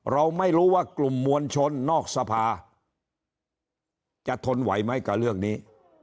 เราไม่รู้ว่ากลุ่มมวลชนนอกสภาจะทนไหวไหมกับเรื่องนี้